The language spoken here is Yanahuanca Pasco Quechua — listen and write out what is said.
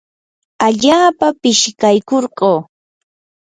allaapa pishikaykurquu.